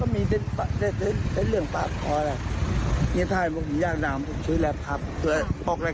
มันต้องไหนมันก็อยู่เทินได้